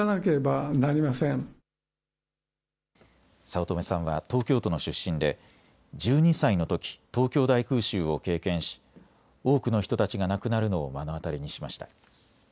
早乙女さんは東京都の出身で１２歳のとき東京大空襲を経験し多くの人たちが亡くなるのを目の当たりにしました。